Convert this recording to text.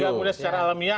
sehingga mulai secara alamiah